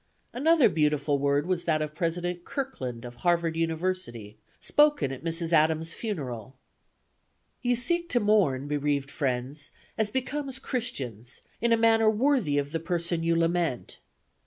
Another beautiful word was that of President Kirkland of Harvard University, spoken at Mrs. Adams' funeral: "Ye seek to mourn, bereaved friends, as becomes Christians, in a manner worthy of the person you lament.